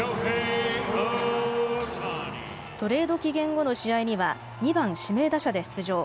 トレード期限後の試合には２番・指名打者で出場。